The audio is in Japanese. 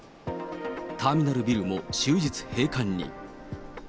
ターミナルビルも終日閉館に。